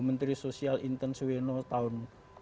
menteri sosial inten suweno tahun